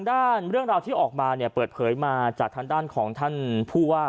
เรื่องราวที่ออกมาเนี่ยเปิดเผยมาจากทางด้านของท่านผู้ว่า